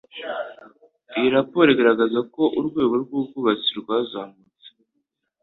Iyi raporo igaragaza ko urwego rw'ubwubatsi rwazamutse